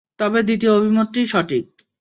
তবে দ্বিতীয় অভিমতটিই সঠিক।